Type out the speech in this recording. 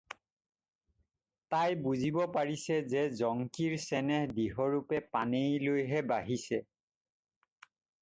তাই বুজিব পাৰিছে যে জংকিৰ চেনেহ দৃঢ় ৰূপে পানেইলৈহে বহিছে।